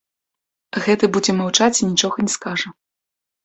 Гэты будзе маўчаць і нічога не скажа.